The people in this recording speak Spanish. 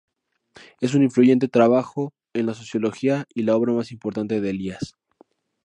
Es un influyente trabajo en la sociología y la obra más importante de Elías.